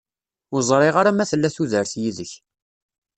Ur ẓriɣ ara ma tella tudert yid-k.